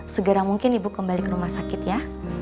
segera mungkin ibu kembali ke rumah sakit ya